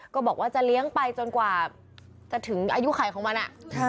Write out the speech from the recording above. ก็บอกว่าจะเลี้ยงไปจนกว่าจะถึงอายุไขของมัน